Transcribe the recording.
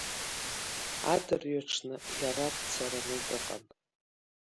Адырҩаҽны иара дцараны дыҟан.